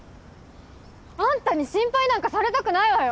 アンタに心配なんかされたくないわよ！